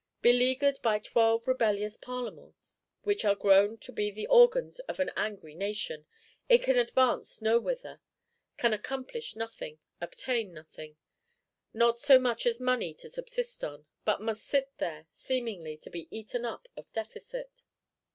Beleaguered by Twelve rebellious Parlements, which are grown to be the organs of an angry Nation, it can advance nowhither; can accomplish nothing, obtain nothing, not so much as money to subsist on; but must sit there, seemingly, to be eaten up of Deficit.